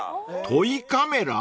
［トイカメラ？］